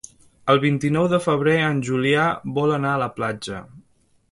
El vint-i-nou de febrer en Julià vol anar a la platja.